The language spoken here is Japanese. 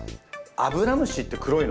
アブラムシって黒いの？